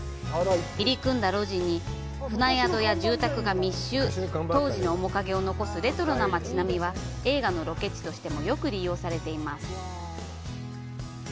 入り組んだ路地に船宿や住宅が密集、当時の面影を残すレトロな町並みは映画のロケ地としてもよく利用されています。